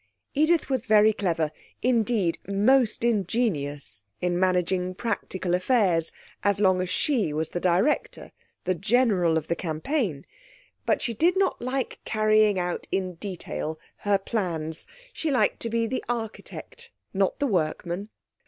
Edith was very clever, indeed, most ingenious, in managing practical affairs, as long as she was the director, the general of the campaign. But she did not like carrying out in detail her plans. She liked to be the architect, not the workman.